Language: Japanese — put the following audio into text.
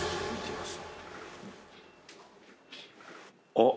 あっ！